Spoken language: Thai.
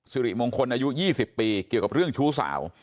สิริมงคลอายุ๒๐ปีเกี่ยวกับเรื่องชู้สาว